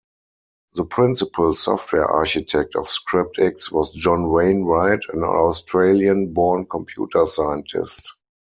The principal software architect of ScriptX was John Wainwright, an Australian-born computer scientist.